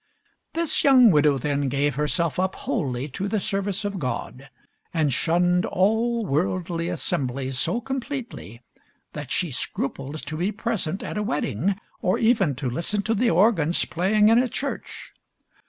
This young widow, then, gave herself up wholly to the service of God, and shunned all worldly assemblies so completely that she scrupled to be present at a wedding, or even to listen to the organs playing in a church.